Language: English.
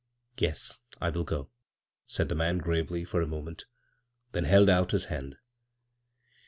"Yes, I will go," said the man, gravely, after a moment ; then he held out his hand.